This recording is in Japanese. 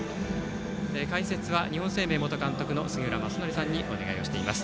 解説は日本生命元監督の杉浦正則さんにお願いをしています。